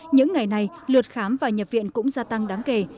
những ngày này lượt khám và nhập viện cũng gia tăng đáng kể